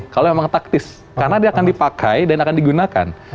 kalau memang taktis karena dia akan dipakai dan akan digunakan